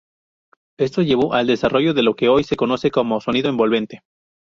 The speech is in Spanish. Esto llevó al desarrollo de lo que hoy se conoce como sonido envolvente.